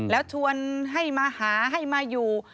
แล้วชวนให้มาหาให้มาอยู่